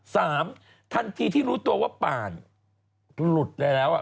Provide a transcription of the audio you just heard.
สามทันทีที่รู้ตัวว่าป่านหลุดไปแล้วอ่ะ